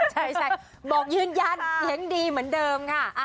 ใช่บอกยืนยันเสียงดีเหมือนเดิมค่ะ